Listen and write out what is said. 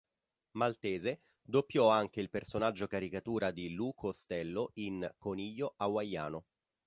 Maltese doppiò anche il personaggio caricatura di Lou Costello in "Coniglio hawaiano".